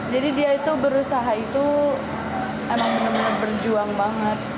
jadi dia itu berusaha itu emang bener bener berjuang banget